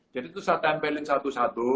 jadi terus saya tempelin satu satu